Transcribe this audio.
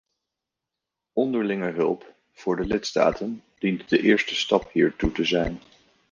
Onderlinge hulp voor de lidstaten dient de eerste stap hiertoe te zijn.